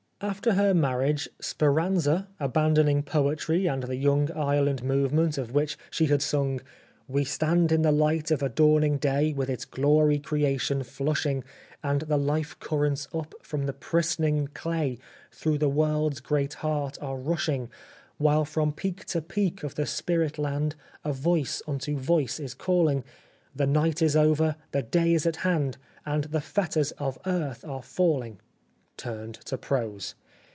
After her marriage " Speranza," abandoning poetry and the Young Ireland Movement of which she had sung :—" We stand in the light of a dawning day With its glory creation flushing ; And the life currents up from the pris'ning clay, Through the world's great heart are rushing. While from peak to peak of the spirit land A voice unto voice is calling :' The night is over, the day is at hand, And the fetters of earth are falling !'" turned to prose.